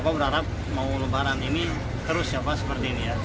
bapak berharap mau lebaran ini terus ya pak seperti ini ya